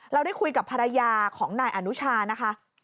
เราได้คุยกับภรรยาของนายอนุชานะคะ